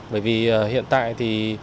bởi vì hiện tại thì